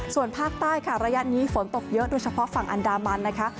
ส่วนภาคใต้ค่ะระยะนี้ฝนตกเยอะโดยเฉพาะฝั่งอันดามันนะคะ